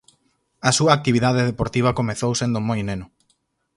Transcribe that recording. A súa actividade deportiva comezou sendo moi neno.